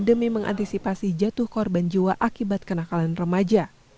demi mengantisipasi jatuh korban jiwa akibat kenakalan remaja